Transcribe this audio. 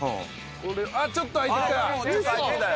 あっちょっと開いてきた。